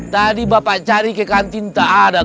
tadi bapak cari ke kantin tak ada